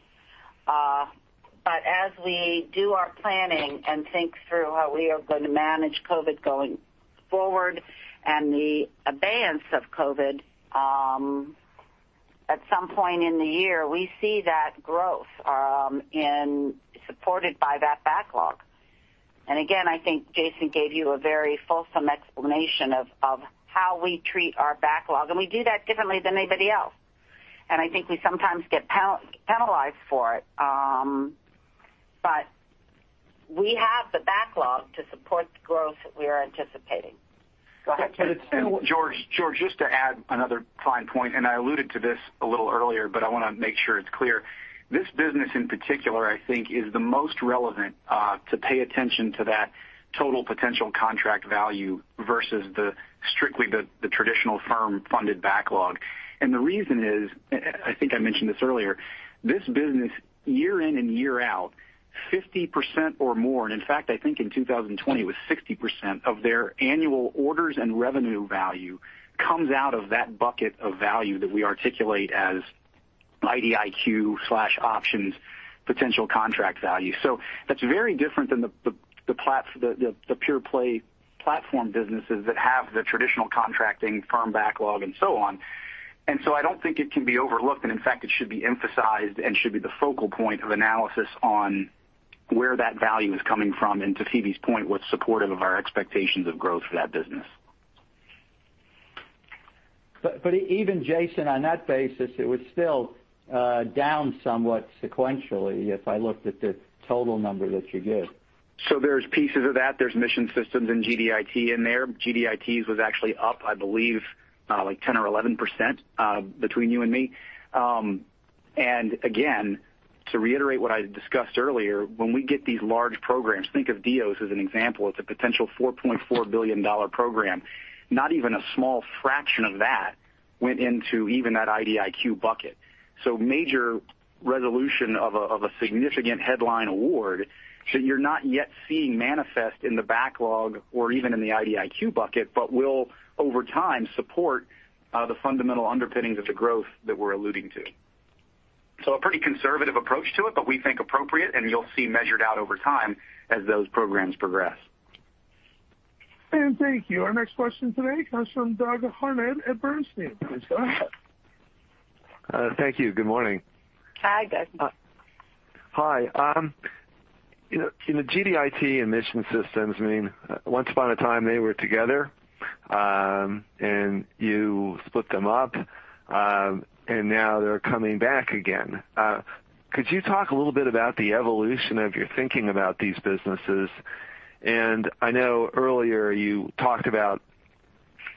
As we do our planning and think through how we are going to manage COVID going forward and the abatement of COVID. At some point in the year, we see that growth supported by that backlog. Again, I think Jason gave you a very fulsome explanation of how we treat our backlog, and we do that differently than anybody else. I think we sometimes get penalized for it. We have the backlog to support the growth that we are anticipating. Go ahead, Jason. George, just to add another fine point. I alluded to this a little earlier; I want to make sure it's clear. This business in particular, I think, is the most relevant to pay attention to that total potential contract value versus strictly the traditional firm-funded backlog. The reason is, I think I mentioned this earlier, this business, year in and year out, has 50% or more; in fact, I think in 2020 it was 60% of its annual orders and revenue value that comes out of that bucket of value that we articulate as IDIQ/options potential contract value. That's very different than the pure-play platform businesses that have the traditional contracting firm backlog and so on. I don't think it can be overlooked, and in fact, it should be emphasized and should be the focal point of analysis on where that value is coming from and, to Phebe's point, what's supportive of our expectations of growth for that business. Even Jason, on that basis, was still down somewhat sequentially if I looked at the total number that you gave. There are pieces of that. There are Mission Systems and GDIT in there. GDIT's was actually up, I believe, 10% or 11%, between you and me. Again, to reiterate what I discussed earlier, when we get these large programs, think of DEOS as an example; it's a potential $4.4 billion program. Not even a small fraction of that went into even that IDIQ bucket. Major resolution of a significant headline award that you're not yet seeing manifest in the backlog or even in the IDIQ bucket, but will, over time, support the fundamental underpinnings of the growth that we're alluding to. A pretty conservative approach to it, but we think it's appropriate, and you'll see measured out over time as those programs progress. Thank you. Our next question today comes from Doug Harned at Bernstein. Please go ahead. Thank you. Good morning. Hi, Doug. Hi. In the GDIT and Mission Systems, once upon a time, they were together, and you split them up, and now they're coming back again. Could you talk a little bit about the evolution of your thinking about these businesses? I know earlier you talked about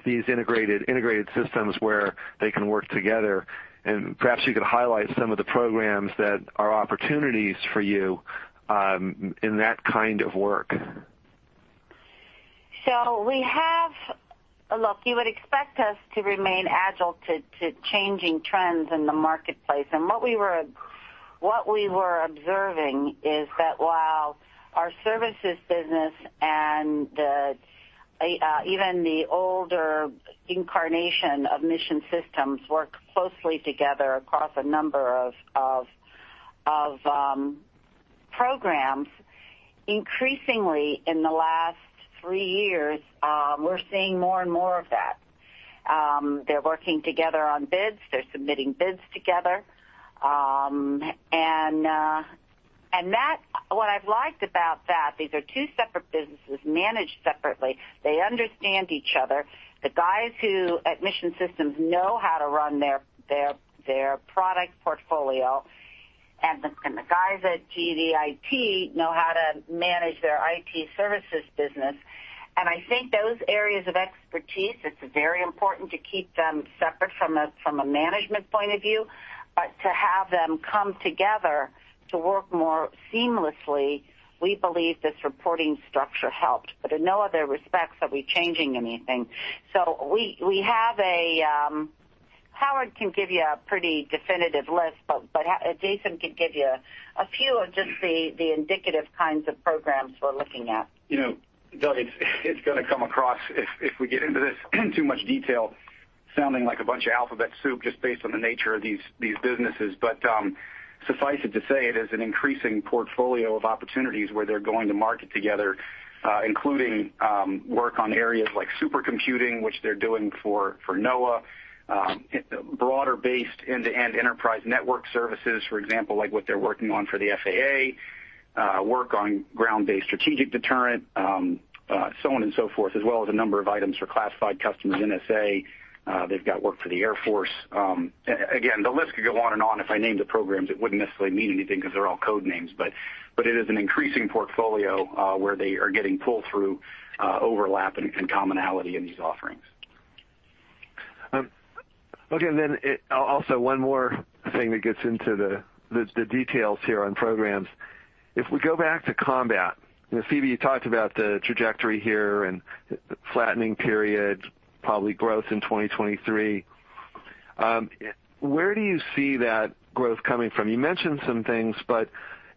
these integrated systems where they can work together, and perhaps you could highlight some of the programs that are opportunities for you in that kind of work. Look, you would expect us to remain agile to changing trends in the marketplace. What we were observing is that while our services business and even the older incarnation of Mission Systems work closely together across a number of programs, increasingly in the last three years, we're seeing more and more of that. They're working together on bids. They're submitting bids together. What I've liked about that is that these are two separate businesses managed separately. They understand each other. The guys at Mission Systems know how to run their product portfolio, and the guys at GDIT know how to manage their IT services business. I think those areas of expertise are very important to keep separate from a management point of view, but to have them come together to work more seamlessly, we believe this reporting structure helped, but in no other respects are we changing anything. Howard can give you a pretty definitive list, but Jason could give you a few of just the indicative kinds of programs we're looking at. Doug, it's going to come across if we get into this in too much detail, sounding like a bunch of alphabet soup just based on the nature of these businesses. Suffice it to say, it is an increasing portfolio of opportunities where they're going to market together, including work on areas like supercomputing, which they're doing for NOAA; broader-based end-to-end enterprise network services, for example, like what they're working on for the FAA; work on the Ground Based Strategic Deterrent, and so on and so forth, as well as a number of items for classified customers, NSA. They've got work for the Air Force. Again, the list could go on and on. If I named the programs, it wouldn't necessarily mean anything because they're all code names, but it is an increasing portfolio where they are getting pull-through, overlap, and commonality in these offerings. Okay, also one more thing that gets into the details here on programs. If we go back to combat, Phebe, you talked about the trajectory here and the flattening period, probably growth in 2023. Where do you see that growth coming from? You mentioned some things;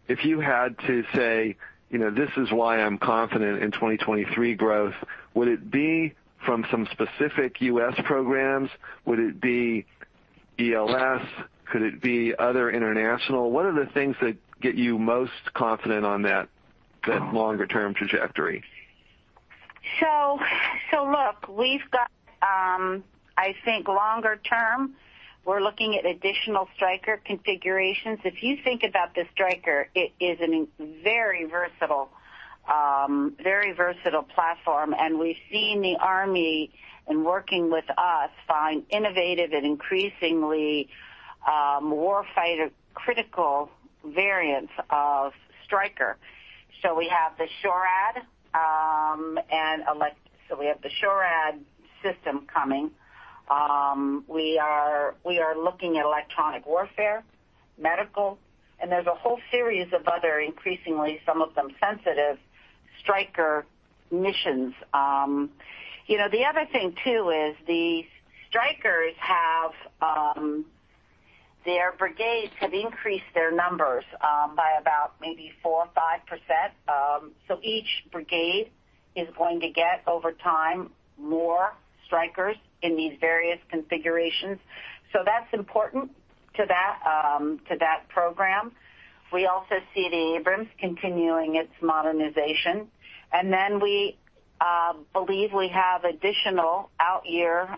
if you had to say, "This is why I'm confident in 2023 growth," would it be from some specific U.S. programs? Would it be ELS? Could it be other international? What are the things that get you most confident on that longer-term trajectory? We've got, I think, longer term; we're looking at additional Stryker configurations. If you think about the Stryker, it is a very versatile platform, and we've seen the Army, in working with us, find innovative and increasingly warfighter-critical variants of the Stryker. We have the SHORAD System coming. We are looking at electronic warfare, medical, and there's a whole series of other increasingly, some of them sensitive, Stryker missions. The other thing too is the Strykers; their brigades have increased their numbers by about maybe 4% or 5%. Each brigade is going to get, over time, more Strykers in these various configurations. That's important to that program. We also see the Abrams continuing its modernization. We believe we have additional out-year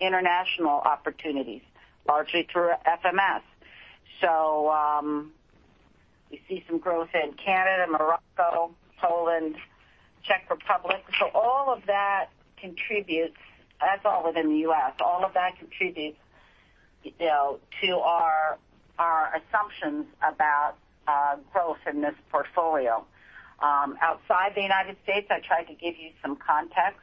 international opportunities, largely through FMS. We see some growth in Canada, Morocco, Poland, and the Czech Republic. All of that contributes, that's all within the U.S. All of that contributes to our assumptions about growth in this portfolio. Outside the United States, I tried to give you some context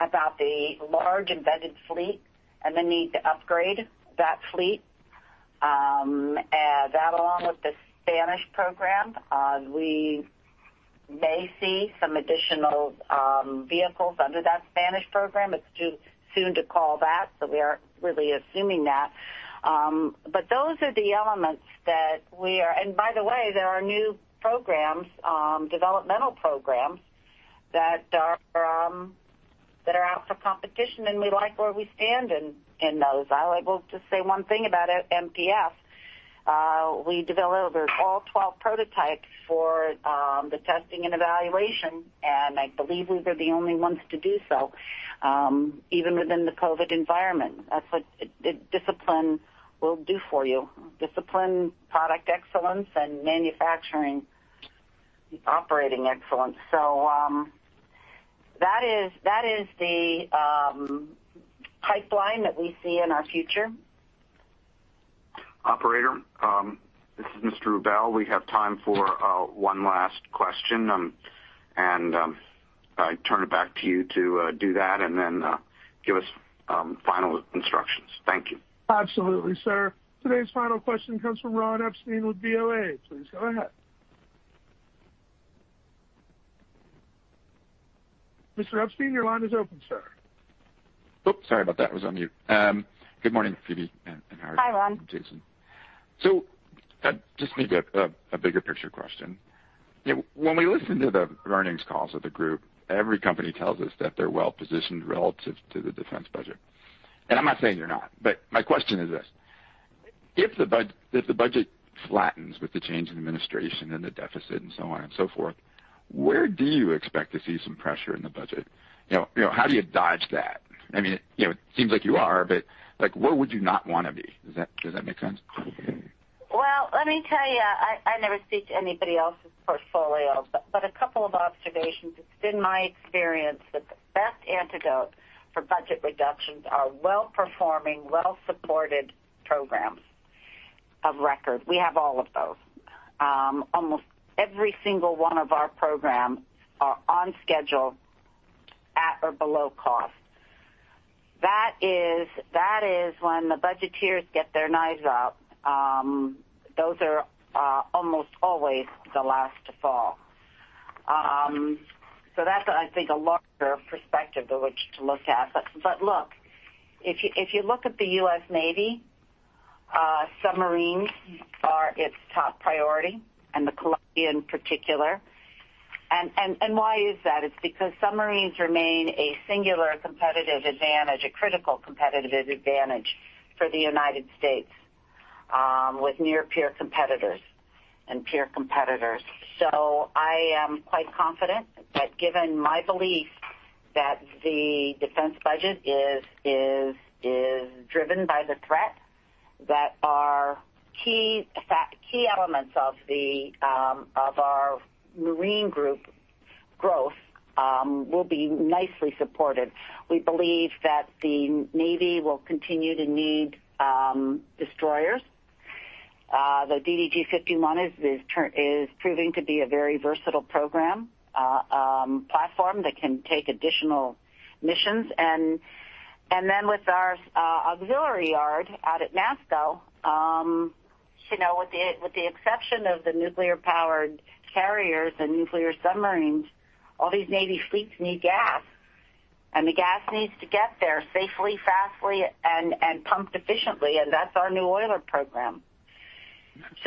about the large embedded fleet and the need to upgrade that fleet. That, along with the Spanish program, we may see some additional vehicles under that Spanish program. It's too soon to call that, but we are really assuming that. Those are the elements that we are, and by the way, there are new programs, developmental programs, that are out for competition, and we like where we stand in those. I will just say one thing about it, MPF. We developed all 12 prototypes for the testing and evaluation, and I believe we were the only ones to do so, even within the COVID environment. That's what discipline will do for you. Discipline, product excellence, and manufacturing operating excellence. That is the pipeline that we see in our future. Operator, this is Mr. Rubel. We have time for one last question, and I turn it back to you to do that and then give us final instructions. Thank you. Absolutely, sir. Today's final question comes from Ron Epstein with BOA. Please go ahead. Mr. Epstein, your line is open, sir. Oops, sorry about that; I was on mute. Good morning, Phebe and Howard. Hi, Ron. Jason. Just maybe a bigger picture question. When we listen to the earnings calls of the group, every company tells us that they're well-positioned relative to the defense budget. I'm not saying they're not, but my question is this: if the budget flattens with the change in administration and the deficit and so on and so forth, where do you expect to see some pressure in the budget? How do you dodge that? It seems like you are, but where would you not want to be? Does that make sense? Well, let me tell you, I never speak to anybody else's portfolio, but a couple of observations. It's been my experience that the best antidote for budget reductions are well-performing, well-supported programs of record. We have all of those. Almost every single one of our programs are on schedule at or below cost. That is when the budgeteers get their knives out; those are almost always the last to fall. That's, I think, a larger perspective in which to look at. Look, if you look at the U.S. Navy Submarines are its top priority, and the Columbia in particular. Why is that? It's because submarines remain a singular competitive advantage, a critical competitive advantage for the United States, with near-peer competitors and peer competitors. I am quite confident that given my belief that the defense budget is driven by the threat, our key elements of our Marine Group growth will be nicely supported. We believe that the Navy will continue to need destroyers. The DDG 51 is proving to be a very versatile program, a platform that can take additional missions. With our auxiliary yard out at NASSCO, with the exception of the nuclear-powered carriers and nuclear submarines, all these Navy fleets need gas, and the gas needs to get there safely, fastly, and pumped efficiently, and that's our new oiler program.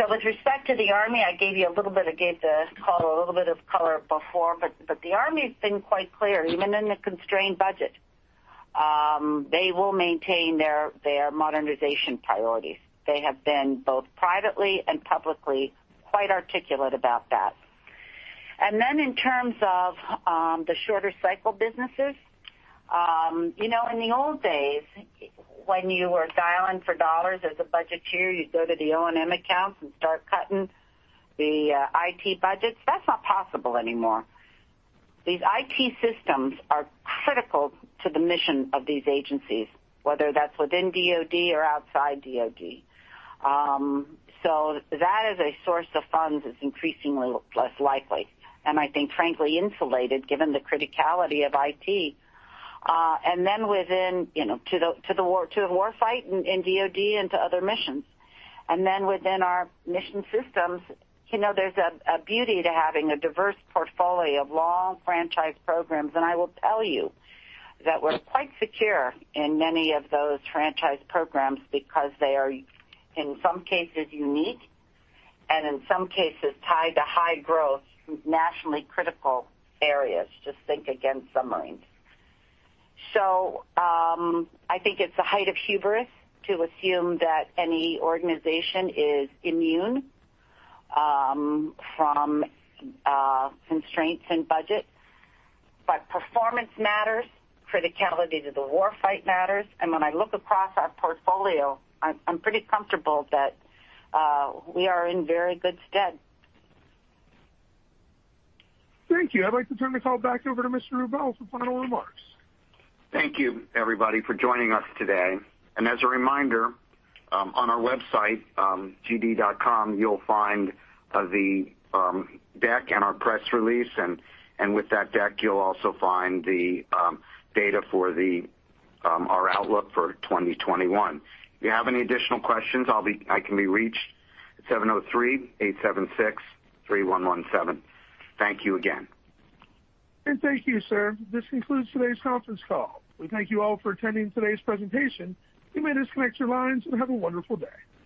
With respect to the Army, I gave the call a little bit of color before, but the Army's been quite clear, even in the constrained budget. They will maintain their modernization priorities. They have been both privately and publicly quite articulate about that. In terms of the shorter cycle businesses, in the old days, when you were dialing for dollars as a budgeteer, you'd go to the O&M accounts and start cutting the IT budgets. That's not possible anymore. These IT systems are critical to the mission of these agencies, whether that's within DoD or outside DoD. That as a source of funds is increasingly less likely and, I think, frankly, insulated given the criticality of IT, to the war fight in DoD and to other missions. Within our Mission Systems, there's a beauty to having a diverse portfolio of long franchise programs. I will tell you that we're quite secure in many of those franchise programs because they are, in some cases, unique and, in some cases tied to high growth, nationally critical areas. Just think, again, submarines. I think it's the height of hubris to assume that any organization is immune from constraints in budget. Performance matters; criticality to the war fight matters. When I look across our portfolio, I'm pretty comfortable that we are in very good stead. Thank you. I'd like to turn the call back over to Mr. Rubel for final remarks. Thank you, everybody, for joining us today. As a reminder, on our website, gd.com, you'll find the deck and our press release. With that deck, you'll also find the data for our outlook for 2021. If you have any additional questions, I can be reached at 703-876-3117. Thank you again. Thank you, sir. This concludes today's conference call. We thank you all for attending today's presentation. You may disconnect your lines and have a wonderful day.